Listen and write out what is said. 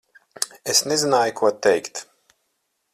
Es nezināju, ko teikt.